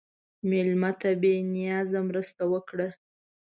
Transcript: مېلمه ته بې نیازه مرسته وکړه.